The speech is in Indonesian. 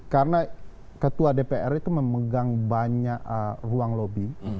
karena ketua dpr itu memegang banyak ruang lobby